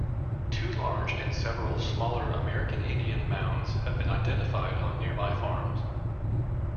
Two large and several smaller American Indian mounds have been identified on nearby farms.